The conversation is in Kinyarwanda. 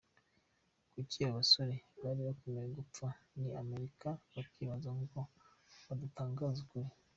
Kuki aba bose bari bakomeje gupfa, ni Amerika yabikizaga ngo badatangaza ukuri?.